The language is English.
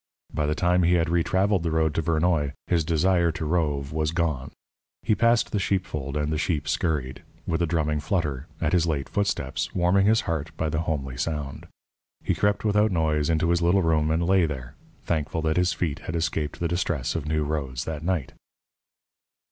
By the time he had retravelled the road to Vernoy, his desire to rove was gone. He passed the sheepfold, and the sheep scurried, with a drumming flutter, at his late footsteps, warming his heart by the homely sound. He crept without noise into his little room and lay there, thankful that his feet had escaped the distress of new roads that night.